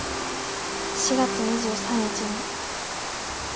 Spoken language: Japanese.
４月２３日に。